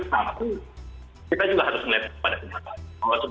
jadi misalnya nih kalau saya itu lahir dari bulan jumat